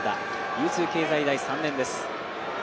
流通経済大の３年です。